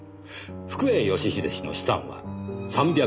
福栄義英氏の資産は３００億円。